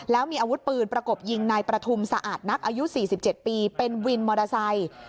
แล้วมีอาวุธปืนประกบยิงนายประทุมสะอาดนักอายุ๔๗ปีเป็นวินมอเตอร์ไซค์